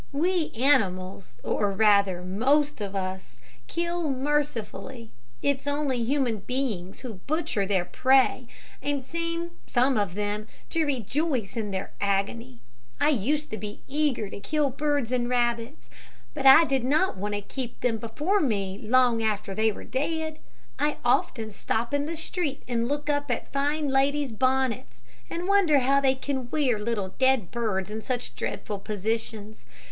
We animals, or rather the most of us, kill mercifully. It is only human beings who butcher their prey, and seem, some of them, to rejoice in their agony. I used to be eager to kill birds and rabbits, but I did not want to keep them before me long after they were dead. I often stop in the street and look up at fine ladies' bonnets, and wonder how they can wear little dead birds in such dreadful positions.